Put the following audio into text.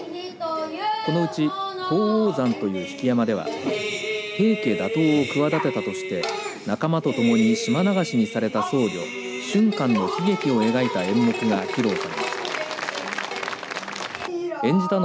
このうち鳳凰山という曳山では平家打倒を企てたとして仲間とともに島流しにされた僧りょ俊寛の悲劇を描いた演目が披露されました。